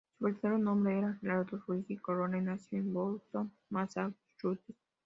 Su verdadero nombre era Gerardo Luigi Colonna, y nació en Boston, Massachusetts.